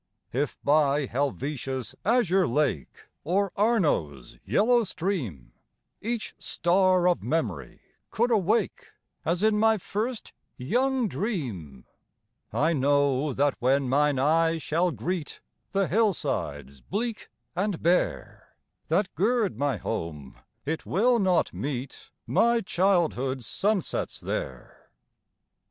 If by Helvetia's azure lake, Or Arno's yellow stream, Each star of memory could awake, As in my first young dream, I know that when mine eye shall greet The hillsides bleak and bare, That gird my home, it will not meet My childhood's sunsets there.